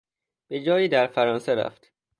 به جایی در فرانسه رفت.